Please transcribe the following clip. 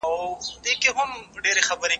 زه بايد سندري واورم!